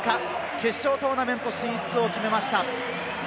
決勝トーナメント進出を決めました。